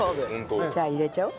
じゃあ入れちゃおう。